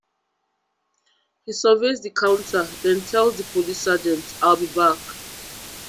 He surveys the counter, then tells the police sergeant: I'll be back.